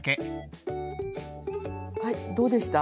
はいどうでした？